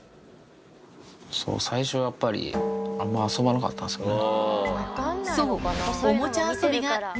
そう最初はやっぱりあんま遊ばなかったんですよね。